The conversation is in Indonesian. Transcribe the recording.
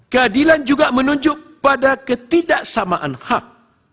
keadilan juga menunjuk pada ketidaksamaan hak